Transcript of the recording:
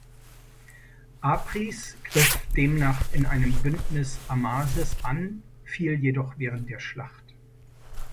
Apries griff demnach in einem Bündnis Amasis an, fiel jedoch während der Schlacht.